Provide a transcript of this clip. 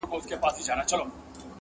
• کلي کي سړه فضا ده ډېر..